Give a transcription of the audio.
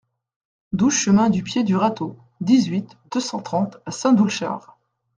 douze chemin du Pied du Râteau, dix-huit, deux cent trente à Saint-Doulchard